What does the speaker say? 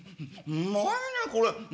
うまいねこれ。